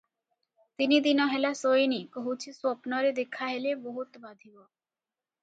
ତିନିଦିନ ହେଲା ଶୋଇନି କହୁଛି ସ୍ୱପ୍ନରେ ଦେଖାହେଲେ ବହୁତ ବାଧିବ